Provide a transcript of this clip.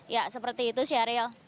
ya seperti itu serial